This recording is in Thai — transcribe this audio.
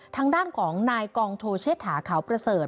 ทางด้านของนายกองโทเชษฐาขาวประเสริฐ